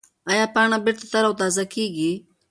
ایا پاڼه بېرته تر او تازه کېږي؟